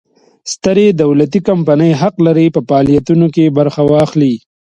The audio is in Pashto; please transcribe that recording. سترې دولتي کمپنۍ حق لري په فعالیتونو کې برخه واخلي.